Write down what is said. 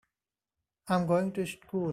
I'm going to school.